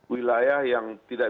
wilayah yang tidak